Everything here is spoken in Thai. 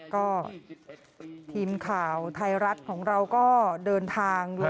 ก็ทีมข่าวไทยรัฐของเราก็เดินทางด้วย